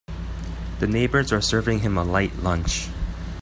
The neighbors are serving him a light lunch.